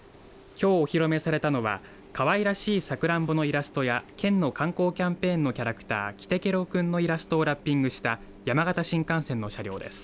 きょうお披露目されたのはかわいらしいさくらんぼのイラストや県の観光キャンペーンのキャラクターきてけろくんのイラストをラッピングした山形新幹線の車両です。